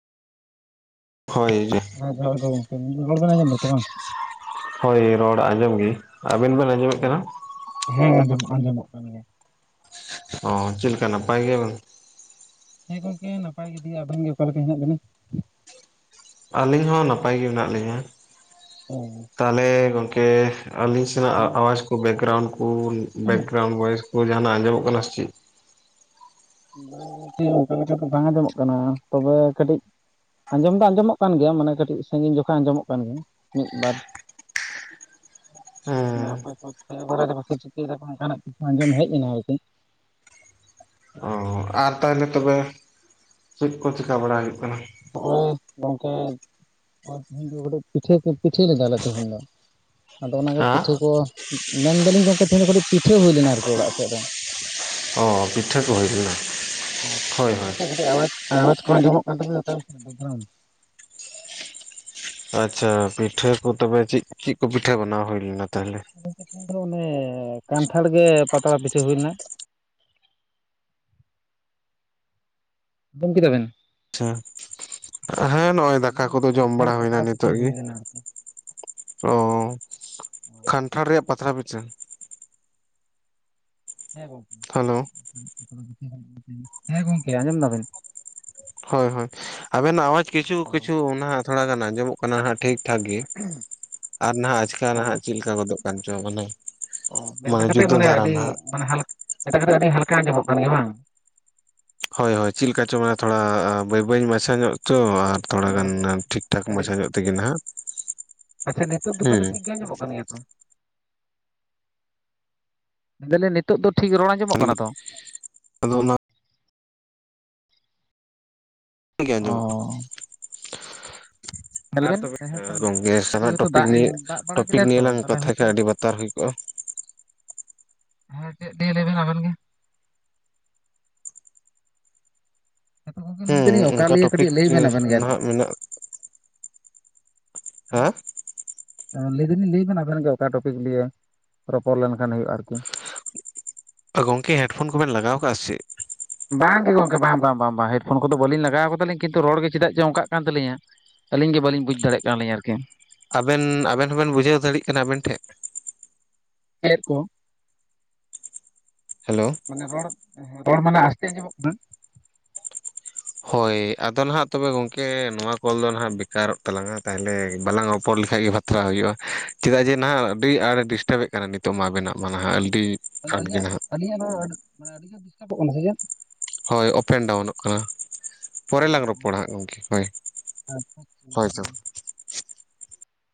ᱦᱳᱭ ᱡᱮ ᱡᱚᱦᱟᱨ ᱜᱮ ᱜᱟᱝᱠᱮ ᱨᱚᱲ ᱵᱤᱱ ᱟᱸᱡᱚᱢ ᱫᱟᱛᱚ ᱵᱟᱝ? ᱦᱳᱭ ᱨᱚᱲ ᱟᱸᱡᱚᱢ ᱜᱮ ᱟᱵᱤᱱ ᱵᱤᱱ ᱚ ᱟᱸᱡᱚᱢᱮᱫ ᱠᱟᱱᱟ? ᱦᱮᱸ ᱟᱸᱡᱚᱢᱚᱜ ᱟᱸᱡᱚᱢᱚᱜ ᱠᱟᱱ ᱜᱮᱭᱟ᱾ ᱚ ᱪᱮᱫ ᱞᱮᱠᱟ ᱱᱟᱯᱟᱭ ᱜᱮᱭᱟ ᱵᱮᱱ? ᱦᱮᱸ ᱜᱚᱝᱠᱮ ᱱᱟᱯᱟᱭ ᱜᱮ ᱫᱤᱭᱮ ᱟᱵᱤᱱ ᱜᱮ ᱚᱠᱟ ᱞᱮᱠᱟ ᱦᱮᱱᱟᱜ ᱵᱤᱱᱟ? ᱟᱹᱞᱤᱧ ᱦᱚᱸ ᱱᱟᱯᱟᱭᱜ ᱜᱮ ᱢᱮᱱᱟᱜ ᱞᱤᱧᱟᱹ ᱚ ᱛᱟᱦᱚᱞᱮ ᱜᱚᱢᱠᱮ ᱟᱹᱞᱤᱧ ᱥᱮᱱᱟᱜ ᱟᱣᱟᱡᱽ ᱠᱚ ᱵᱮᱠᱜᱨᱟᱣᱩᱱᱰ ᱠᱚ ᱵᱮᱠᱜᱨᱟᱣᱩᱱᱰ ᱵᱷᱚᱭᱮᱥ ᱠᱚ ᱟᱸᱡᱚᱢᱚᱜ ᱠᱟᱱᱟ ᱥᱮ ᱪᱮᱫ? ᱵᱟᱝ ᱜᱚᱝᱠᱮ ᱚᱱᱠᱟ ᱞᱮᱠᱟ ᱵᱟᱝ ᱟᱸᱡᱚᱢᱚᱜ ᱠᱟᱱᱟ ᱛᱚᱵᱮ ᱠᱟᱹᱴᱤᱡ ᱟᱸᱡᱚᱢ ᱫᱚ ᱟᱸᱡᱚᱢᱚᱜ ᱠᱟᱱ ᱜᱮᱭᱟ ᱢᱟᱱᱮ ᱠᱟᱹᱴᱤᱡ ᱥᱟᱺᱜᱤᱧ ᱡᱚᱠᱷᱚᱡ ᱟᱸᱡᱚᱢᱚᱜ ᱠᱟᱱ ᱜᱮᱭᱟ ᱢᱤᱫ ᱵᱟᱨ ᱚᱠᱚᱭ ᱠᱚ ᱪᱤᱠᱟᱹᱭ ᱫᱟᱠᱚ ᱚᱱᱠᱟᱱᱟᱜ ᱯᱩ ᱟᱸᱡᱚᱢ ᱦᱮᱡ ᱞᱮᱱᱟ ᱟᱨᱠᱤ᱾ ᱦᱮᱸ ᱚ ᱟᱨ ᱛᱟᱦᱚᱞᱮ ᱛᱚᱵᱮ ᱪᱮᱫ ᱠᱚ ᱪᱮᱠᱟ ᱵᱟᱲᱟ ᱦᱩᱭᱩᱜ ᱠᱟᱱᱟ? ᱦᱳᱭ ᱜᱚᱝᱠᱮ [inaudible] ᱯᱤᱴᱷ ᱯᱤᱴᱷᱮ ᱞᱮᱫᱟᱠᱮ ᱛᱮᱦᱮᱧ ᱫᱚ᱾ ᱟᱫᱚ ᱚᱱᱟᱜᱮ ᱦᱮᱸ ᱯᱤᱴᱷᱟᱹ ᱠᱚ ᱢᱮᱱᱫᱟᱞᱤᱧ ᱜᱚᱢᱠᱮ ᱛᱦᱮᱧ ᱫᱚ ᱠᱟᱹᱴᱤᱡ ᱯᱤᱴᱷᱟᱹ ᱦᱩᱭ ᱞᱮᱱᱟ ᱟᱨᱠᱤ ᱚᱲᱟᱜ ᱥᱮᱫ ᱨᱮ᱾ ᱚ ᱯᱤᱴᱷᱟᱹ ᱠᱚ ᱦᱩᱭ ᱞᱮᱱᱟ ᱦᱳᱭ ᱦᱳᱭ [inaudible] ᱟᱪᱪᱷᱟ ᱯᱤᱴᱷᱟᱹ ᱠᱚ ᱛᱚᱵᱮ ᱪᱮᱫ ᱪᱮᱫ ᱠᱚ ᱯᱤᱴᱷᱟᱹ ᱵᱮᱱᱟᱣ ᱦᱩᱭ ᱞᱮᱱᱟ ᱛᱟᱦᱞᱮ? ᱚᱱᱮ ᱠᱟᱱᱴᱷᱟᱲ ᱜᱮ ᱯᱟᱛᱲᱟ ᱯᱤᱴᱷᱟᱹ ᱦᱩᱭ ᱞᱮᱱᱟ᱾ ᱟᱧᱡᱚᱢ ᱠᱮᱫᱟᱵᱮᱱ? ᱟᱪᱪᱷᱟ ᱦᱮᱸ ᱱᱚᱜᱼᱚᱭ ᱫᱟᱠᱟ ᱠᱚᱫᱚ ᱡᱚᱢ ᱠᱟᱱᱴᱷᱟᱲ ᱵᱟᱲᱟ ᱦᱩᱭᱱᱟ ᱯᱟᱛᱲᱟ ᱯᱤᱴᱷᱟᱹ ᱱᱤᱛᱚᱜ ᱜᱮ᱾ ᱦᱩᱭ ᱞᱮᱱᱟ ᱟᱨᱠᱤ ᱚ ᱠᱟᱱᱴᱷᱟᱲ ᱨᱮᱭᱟᱜ ᱯᱟᱛᱲᱟ ᱯᱤᱴᱷᱟᱹ᱾ ᱦᱮᱸ ᱜᱚᱝᱠᱮ ᱾ ᱦᱮᱞᱳ ᱦᱮᱸ ᱜᱚᱢᱠᱮ ᱟᱸᱡᱚᱢ ᱫᱟᱵᱮᱱ? ᱦᱳᱭ ᱦᱳᱭ ᱟᱵᱮᱱᱟᱜ ᱟᱣᱟᱡᱽ ᱠᱤᱪᱷᱩ ᱚ ᱠᱤᱪᱷᱩ ᱚᱱᱟ ᱜᱟᱱ ᱟᱸᱡᱚᱢᱚᱜ ᱠᱟᱱᱟ ᱦᱟᱜ ᱴᱷᱤᱠ ᱴᱷᱟᱠ ᱜᱮ ᱟᱨ ᱱᱟᱦᱟᱜ ᱟᱪᱠᱟ ᱚ ᱱᱟᱦᱟᱜ ᱪᱮᱫ ᱞᱮᱠᱟ ᱜᱚᱫᱚᱜ ᱠᱟᱱ ᱪᱚᱝ ᱢᱟᱱᱮ ᱢᱮᱱ ᱫᱚ ᱠᱟᱛᱮ ᱡᱩᱫᱟᱹ ᱢᱟᱱᱮ ᱫᱷᱟᱨᱟ ᱟᱹᱰᱤ ᱱᱟᱦᱟᱜ [inaudible] ᱠᱟᱛᱮ ᱟᱹᱰᱤ ᱦᱟᱞᱠᱟ ᱟᱸᱡᱚᱢᱚᱜ ᱠᱟᱱ ᱜᱮᱭᱟ ᱵᱟᱝ? ᱦᱳᱭ ᱦᱳᱭ ᱪᱮᱫᱠᱟ ᱪᱚᱝ ᱢᱟᱱᱮ ᱛᱷᱚᱲᱟ ᱵᱟᱹᱭ ᱵᱟᱹᱭ ᱢᱟᱪᱷᱟ ᱧᱚᱜ ᱛᱚ ᱢᱟᱱᱮ ᱛᱷᱚᱲᱟᱜᱟᱱ ᱴᱷᱤᱠ ᱴᱷᱟᱠ ᱠᱟᱹᱴᱤᱡ ᱢᱟᱪᱷᱟ ᱧᱚᱜ ᱛᱮᱜᱮ ᱱᱟᱦᱟᱜ ᱟᱪᱪᱷᱟ ᱱᱤᱛᱚᱜ ᱫᱚ ᱛᱟᱦᱚᱞᱮ ᱦᱮᱸ ᱴᱤᱠ ᱜᱮ ᱟᱧᱡᱚᱜ ᱠᱟᱱᱟ ᱜᱮᱭᱟ ᱛᱚ ᱾ ᱢᱮᱱ ᱫᱟᱞᱤᱧ ᱱᱤᱛᱚᱜ ᱫᱚ ᱴᱷᱤᱠ ᱨᱚᱲ ᱟᱸᱡᱚᱢᱚᱜ ᱠᱟᱱᱟ ᱛᱚ? ᱟᱫᱚ ᱚᱱᱟ ᱜᱮ ᱚ ᱧᱮᱞ [inaudible] ᱟᱨ ᱵᱮᱱ ᱛᱚᱵᱮ ᱦᱮᱸ ᱜᱚᱝᱠᱮ ᱠᱟᱹᱴᱤᱡ ᱥᱟᱫᱟ ᱦᱚᱭᱛᱳ ᱴᱚᱯᱤᱡ ᱫᱟᱜ ᱱᱤᱭᱮ ᱫᱟᱜ ᱵᱟᱲᱟ ᱴᱚᱯᱤᱠ ᱠᱮᱫᱟᱭ ᱱᱤᱭᱮ ᱛᱚ ᱞᱟᱝ ᱛᱟᱦᱚᱞᱮ ᱠᱟᱛᱷ ᱦᱚᱭᱛᱳ ᱠᱷᱟᱱᱡ ᱟᱹᱰᱤ ᱵᱟᱛᱟᱨ ᱦᱩᱭ ᱠᱚᱜᱼᱟ᱾ ᱦᱮᱸ ᱪᱮᱫ ᱞᱟᱹᱭ ᱞᱮᱵᱮᱱ ᱟᱵᱮᱱ ᱜᱮ? ᱦᱮᱸᱛᱚ ᱜᱚᱝᱠᱮ ᱞᱟᱹᱭ ᱦᱮᱸ ᱫᱟᱞᱤᱧ ᱚᱠᱟ ᱚᱱᱠᱟ ᱞᱤᱭᱮ ᱠᱟᱹᱴᱤᱡ ᱴᱚᱯᱤᱠ ᱞᱟᱹᱭ ᱵᱮᱱ ᱟᱵᱮᱱ ᱜᱮ ᱟᱨᱠᱤ ᱱᱟᱦᱟᱜ ᱢᱮᱱᱟᱜ ᱦᱮᱸ᱾ ᱞᱟᱹᱭ ᱫᱚᱞᱤᱧ ᱞᱟᱹᱭ ᱵᱮᱱᱟ ᱟᱵᱮᱱ ᱜᱮ ᱚᱠᱟ ᱴᱚᱯᱤᱠ ᱞᱤᱭᱮ ᱨᱚᱯᱚᱲ ᱞᱮᱱᱠᱷᱟᱱ ᱦᱩᱭᱩᱜᱼᱟ ᱟᱨᱠᱤ ᱜᱚᱝᱠᱮ ᱦᱮᱰᱯᱷᱳᱱ ᱠᱚᱵᱮᱱ ᱞᱟᱜᱟᱣ ᱟᱠᱟᱟᱜᱼᱟ ᱥᱮ ᱵᱟᱝᱜᱮ ᱜᱚᱢᱠᱮ ᱵᱟᱝ ᱵᱟᱝ ᱵᱟᱝ ᱵᱟᱝ ᱦᱮᱰᱯᱷᱳᱱ ᱠᱚᱫᱚ ᱵᱟᱹᱞᱤᱧ ᱞᱟᱜᱟᱣ ᱠᱟᱫᱟᱹᱤᱧ ᱠᱤᱱᱛᱩ ᱨᱚᱲ ᱜᱮ ᱪᱮᱫᱟᱜ ᱪᱚᱝᱚᱱᱠ ᱠᱟᱱ ᱛᱟᱹᱞᱤᱧᱟ ᱟᱹᱞᱤᱧ ᱜᱮ ᱵᱟᱹᱞᱤᱧ ᱵᱩᱡᱽ ᱫᱟᱲᱮᱭᱟᱜᱞᱤᱧ ᱟᱨᱠᱤ ᱟᱵᱮᱱ ᱟᱵᱮᱱ ᱦᱚᱸᱵᱮᱱ ᱵᱩᱡᱷᱟᱹᱣ ᱫᱟᱲᱮᱭᱟᱜ ᱠᱟᱱᱟ ᱟᱵᱮᱱ ᱴᱷᱮᱱ ᱪᱮᱫ ᱠᱚ ᱦᱮᱞᱳ ᱢᱟᱱᱮ ᱨᱚᱲ ᱨᱚᱲ ᱢᱟᱱᱮ ᱟᱥᱛᱮ ᱟᱢᱚᱜ ᱠᱟᱱᱟ᱾ ᱦᱳᱭ ᱟᱫᱚ ᱱᱟᱦᱟᱜ ᱛᱚᱵᱮ ᱜᱚᱝᱠᱮ ᱱᱚᱣᱟ ᱠᱚᱞ ᱫᱚ ᱱᱟᱦᱟᱜ ᱵᱮᱠᱟᱨᱚᱜ ᱛᱟᱞᱟᱝᱟ ᱛᱟᱦᱚᱞᱮ ᱵᱟᱞᱟᱝ ᱨᱯᱚᱨ ᱞᱮᱠᱷᱟᱡ ᱜᱮ ᱵᱷᱟᱼᱼ ᱵᱟᱛᱨᱟᱣ ᱦᱩᱭᱩᱜᱼᱟ ᱪᱮᱫᱟᱜ ᱡᱮ ᱱᱟᱦᱟᱜ ᱟᱹᱰᱤ ᱟᱸᱴᱮ ᱰᱤᱥᱴᱟᱵᱮᱫ ᱠᱟᱱᱟ ᱱᱤᱛᱚᱜ ᱢᱟ ᱵᱮᱱᱟᱜ ᱢᱟ ᱱᱟᱦᱟᱜ ᱟᱹᱰᱤ ᱢᱟᱱᱮ ᱟᱸᱴ ᱜᱮ ᱟᱹᱞᱤᱧᱟᱜ ᱱᱟᱦᱟᱜ ᱟᱹᱞᱤᱧᱟᱜ ᱱᱚᱣᱟ ᱢᱟᱱᱮ ᱟᱹᱞᱤᱧᱟᱜ ᱰᱤᱥᱴᱟᱵᱚᱜ ᱠᱟᱱᱟ ᱥᱮ ᱪᱮ ᱦᱳᱭ ᱳᱯᱮᱱ ᱰᱟᱣᱩᱱᱚᱜ ᱠᱟᱱᱟ ᱯᱚᱨᱮ ᱞᱟᱝ ᱨᱚᱯᱚᱲᱟ ᱦᱟᱸᱟᱜ ᱜᱚᱢᱠᱮ ᱦᱳᱭ ᱦᱳᱭ ᱛᱚ